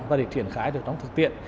và để triển khai được trong thực tiện